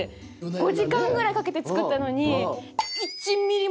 ５時間ぐらいかけて作ったのに。